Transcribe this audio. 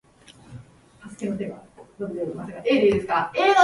バージニア州の州都はリッチモンドである